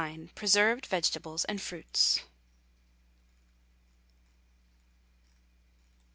PRESERVED VEGETABLES AND FRUITS.